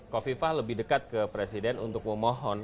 kofifah lebih dekat ke presiden untuk memohon